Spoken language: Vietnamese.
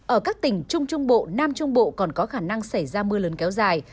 ở các tỉnh trung trung bộ nam trung bộ còn có khả năng xảy ra mưa lớn kéo dài